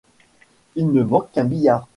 Il ne me manque qu’un billard !